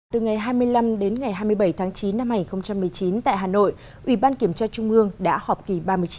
từ ngày hai mươi năm đến ngày hai mươi bảy tháng chín năm hai nghìn một mươi chín tại hà nội ủy ban kiểm tra trung ương đã họp kỳ ba mươi chín